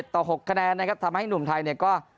ต่อ๖คะแนนนะครับทำให้หนุ่มไทยเนี่ยก็